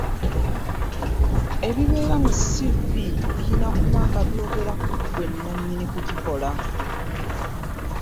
Ebibeera mu CV biyina kuba nga byogera ku ggwe nnannyini kugikola.